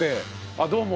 あどうも。